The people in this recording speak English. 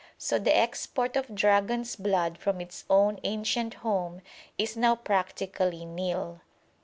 So the export of dragon's blood from its own ancient home is now practically nil.